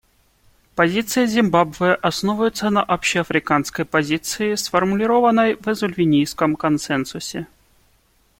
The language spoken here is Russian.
Позиция Зимбабве основывается на общеафриканской позиции, сформулированной в Эзулвинийском консенсусе.